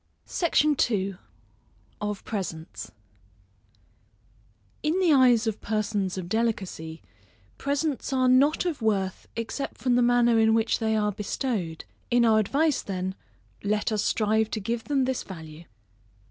SECTION II. Of Presents. In the eyes of persons of delicacy, presents are not of worth, except from the manner in which they are bestowed; in our advice, then, let us strive to give them this value.